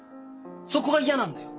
そこが嫌なんだよ。